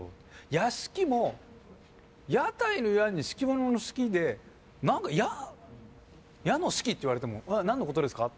「屋敷」も「屋台」の「屋」に「敷物」の「敷」で何か「屋」の「敷」っていわれても何のことですか？